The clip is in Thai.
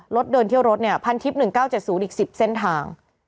รถเดินเที่ยวรถเนี้ยพันทิบหนึ่งเก้าเจ็ดศูนย์อีก๑๐เส้นทาง